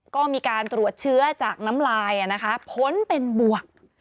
ก็มีการตรวจเชื้อจากน้ำลายผลเป็นบวก